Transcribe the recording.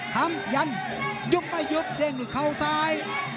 คำยันยุบไปยุบเด้งด้วยเขาซ้าย